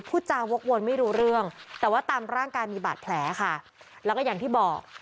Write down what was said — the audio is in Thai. พูดจาวกวนไม่รู้เรื่องแต่ว่าตามร่างกายมีบาดแผลค่ะแล้วก็อย่างที่บอก